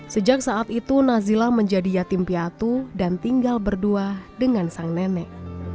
sejak saat itu nazila menjadi yatim piatu dan tinggal berdua dengan sang nenek